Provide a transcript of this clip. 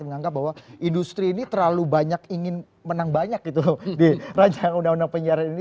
menganggap bahwa industri ini terlalu banyak ingin menang banyak gitu loh di rancangan undang undang penyiaran ini